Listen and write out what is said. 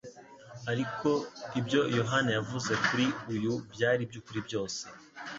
ariko ibyo Yohana yavuze kuri uyu byari iby'ukuri byose."